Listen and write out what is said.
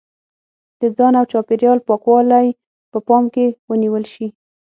د ځان او چاپېریال پاکوالی په پام کې ونیول شي.